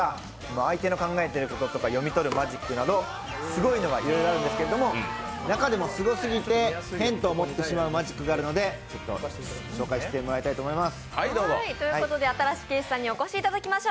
相手の考えていることとか読み取るマジックなどすごいのがいろいろあるんですけど、中でもすごすぎて変と思ってしまうマジックがあるので紹介してもらいたいと思います。